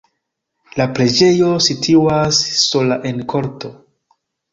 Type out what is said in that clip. La preĝejo situas sola en korto.